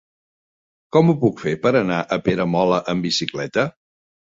Com ho puc fer per anar a Peramola amb bicicleta?